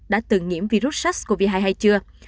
đã từng nhiễm virus sars cov hai hay chưa